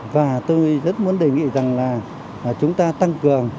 và tôi rất muốn đề nghị rằng là chúng ta tăng cường